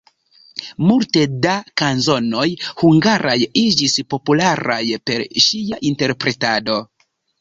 Multe de kanzonoj hungaraj iĝis popularaj per ŝia interpretado.